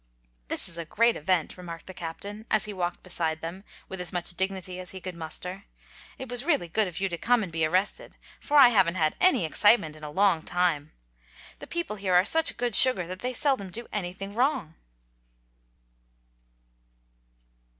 "This is a great event," remarked the Captain, as he walked beside them with as much dignity as he could muster. "It was really good of you to come and be arrested, for I haven't had any excitement in a long time. The people here are such good sugar that they seldom do anything wrong."